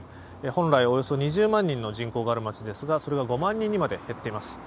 本来、およそ２０万人の人口がある街なんですがそれが５万人にまで減っています。